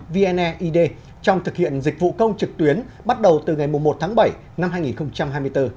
vne id trong thực hiện dịch vụ công trực tuyến bắt đầu từ ngày một tháng bảy năm hai nghìn hai mươi bốn